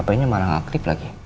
hp nya malah gak aktif lagi